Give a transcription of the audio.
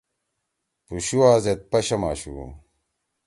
پُشُوا زید پشم آشُو۔